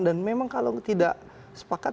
dan memang kalau tidak sepakat